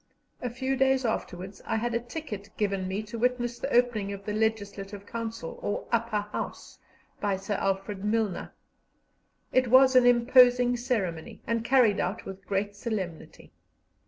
A few days afterwards I had a ticket given me to witness the opening of the Legislative Council, or Upper House, by Sir Alfred Milner. It was an imposing ceremony, and carried out with great solemnity.